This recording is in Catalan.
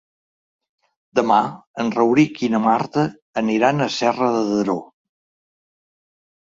Demà en Rauric i na Marta aniran a Serra de Daró.